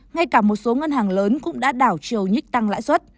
ngay cả một số ngân hàng lớn cũng đã đảo chiều nhích tăng lãi suất